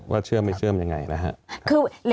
ว่าเชื่อมไม่เชื่อมยังไงนะฮะ